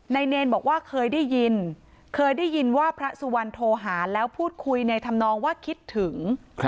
เนรบอกว่าเคยได้ยินเคยได้ยินว่าพระสุวรรณโทรหาแล้วพูดคุยในธรรมนองว่าคิดถึง